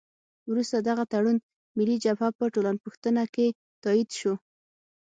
وروسته دغه تړون ملي جبهه په ټولپوښتنه کې تایید شو.